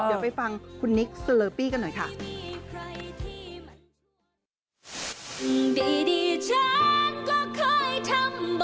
เดี๋ยวไปฟังคุณนิกสลอปี้กันหน่อยค่ะ